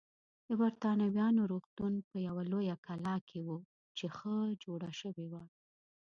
د بریتانویانو روغتون په یوه لویه کلا کې و چې ښه جوړه شوې وه.